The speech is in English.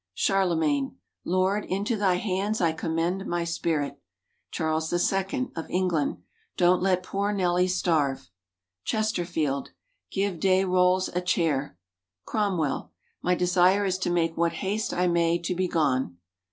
Charlemagne. "Lord, into Thy hands I commend my spirit!" Charles II (of England). "Don't let poor Nelly starve!" Chesterfield. "Give Day Rolles a chair." Cromwell. "My desire is to make what haste I may to be gone."